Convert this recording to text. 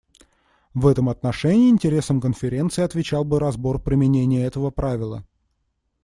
В этом отношении интересам Конференции отвечал бы разбор применения этого правила.